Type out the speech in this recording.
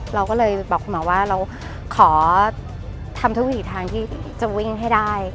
เราก็เลยบอกคุณหมอว่าเราขอทำทุกวิถีทางที่จะวิ่งให้ได้